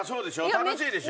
楽しいでしょ？